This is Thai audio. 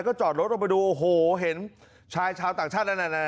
ก็จอดรถลงไปดูโหเห็นชายชาวต่างชาติ